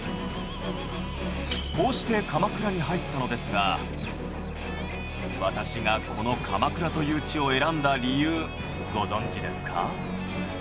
こうして鎌倉に入ったのですが私がこの鎌倉という地を選んだ理由ご存じですか？